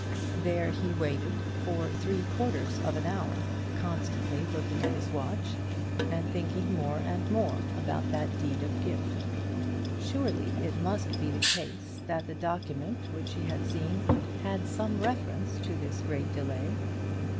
There he waited for three quarters of an hour, constantly looking at his watch, and thinking more and more about that deed of gift. Surely it must be the case that the document which he had seen had some reference to this great delay.